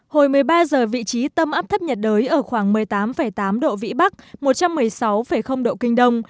hồi một mươi ba h vị trí tâm áp thấp nhiệt đới ở khoảng một mươi tám tám độ vĩ bắc một trăm một mươi sáu độ kinh đông